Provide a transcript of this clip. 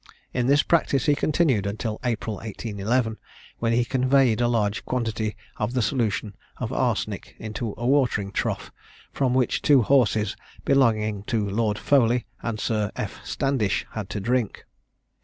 In this practice he continued until April 1811, when he conveyed a large quantity of the solution of arsenic into a watering trough, from which two horses belonging to Lord Foley and Sir F. Standish had to drink.